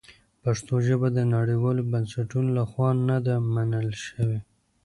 پښتو ژبه د نړیوالو بنسټونو لخوا نه ده منل شوې.